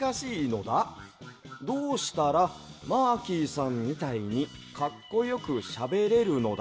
どうしたらマーキーさんみたいにかっこよくしゃべれるのダ？」。